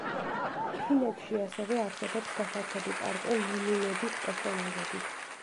ფინეთში ასევე არსებობს გასართობი პარკი მუმინების პერსონაჟებით.